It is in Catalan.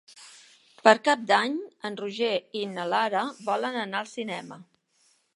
Per Cap d'Any en Roger i na Lara volen anar al cinema.